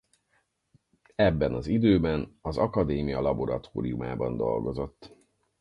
Ebben az időben az akadémia laboratóriumában dolgozott.